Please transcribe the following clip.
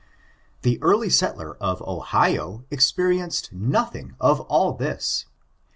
The early settler of Ohio experienced nothing of all this.